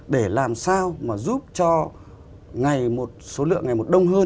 để làm sao mà giúp cho ngày một số lượng ngày một đông hơn